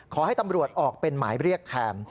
ขอให้ตำรวจออกเป็นหมายเรียกแทน